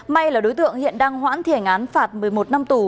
may là đối tượng hiện đang hoãn thi hành án phạt một mươi một năm tù